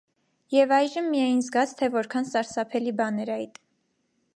Եվ այժմ միայն զգաց, թե որքան սարսափելի բան էր այդ: